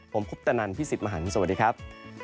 ผมพุทธนันทร์พี่สิทธิ์มหันธ์สวัสดีครับ